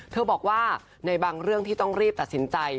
บอกว่าในบางเรื่องที่ต้องรีบตัดสินใจ